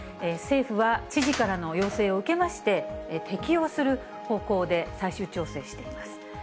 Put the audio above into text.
政府は知事からの要請を受けまして、適用する方向で最終調整しています。